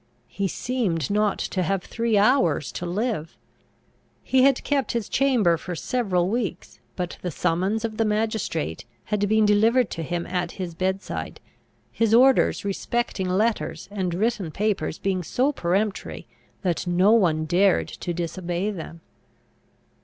He seemed not to have three hours to live. He had kept his chamber for several weeks; but the summons of the magistrate had been delivered to him at his bed side, his orders respecting letters and written papers being so peremptory that no one dared to disobey them.